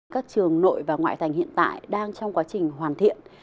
các trường nội và ngoại thành hiện tại đang trong quá trình hoàn thiện